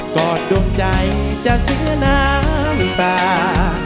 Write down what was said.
ปอดดวงใจจะเสียน้ำตา